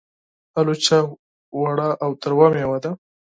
الوچه وړه او تروه مېوه ده.